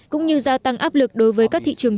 cũng như gia tăng áp lực đối với các thị trường